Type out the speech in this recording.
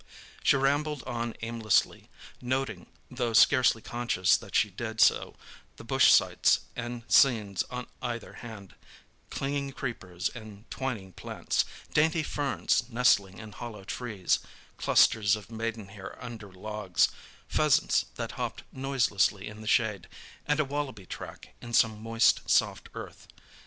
She rambled on aimlessly, noting, though scarcely conscious that she did so, the bush sights and scenes on either hand—clinging creepers and twining plants, dainty ferns, nestling in hollow trees, clusters of maidenhair under logs; pheasants that hopped noiselessly in the shade, and a wallaby track in some moist, soft earth.